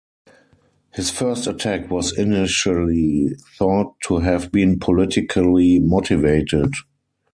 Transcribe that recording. His first attack was initially thought to have been politically motivated.